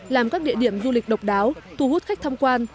làm các địa điểm du lịch độc đáo thu hút khách tham quan